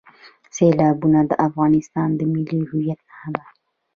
سیلابونه د افغانستان د ملي هویت نښه ده.